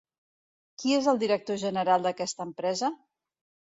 Qui és el director general d'aquesta empresa?